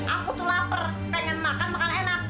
aku tuh lapar pengen makan makan enak